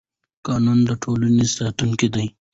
قانون د ټولنې ساتونکی دی